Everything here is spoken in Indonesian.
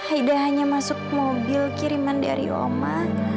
hida hanya masuk mobil kiriman dari oma